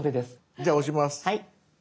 じゃあ押します。